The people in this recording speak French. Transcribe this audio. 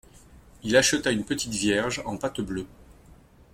Il acheta une petite Vierge en pâte bleue.